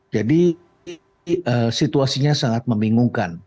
jadi situasinya sangat membingungkan